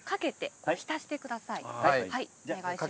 はいお願いします。